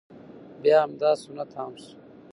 بیا همدا سنت عام شو،